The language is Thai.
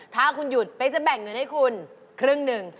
ถ้าคุณหยุดเป๊กจะแบ่งเงินให้คุณครึ่งหนึ่ง